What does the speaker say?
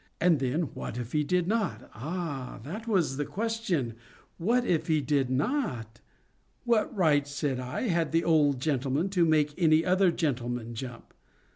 And then what if he did not?—ah, that was the question—what if he did not? "What right," said I, "had the old gentleman to make any other gentleman jump?